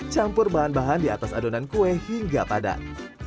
campur bahan bahan di atas adonan kue hingga padat